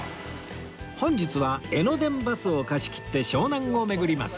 本日は江ノ電バスを貸し切って湘南を巡ります